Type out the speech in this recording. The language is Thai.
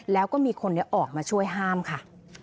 แล้วก็มีคนออกมาช่วยห้ามค่ะ